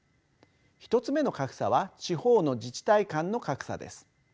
１つ目の格差は地方の自治体間の格差です。